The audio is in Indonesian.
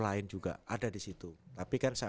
lain juga ada di situ tapi kan saya